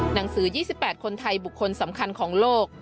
หนังสือ๒๘คนไทยบุคคลสำคัญของโลก